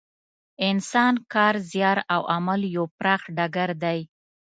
انسان کار، زیار او عمل یو پراخ ډګر دی.